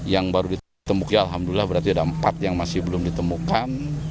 yang baru ditemukan alhamdulillah berarti ada empat yang masih belum ditemukan